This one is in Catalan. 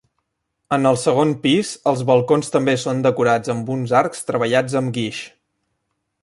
En el segon pis els balcons també són decorats amb uns arcs treballats amb guix.